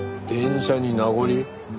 電車に名残？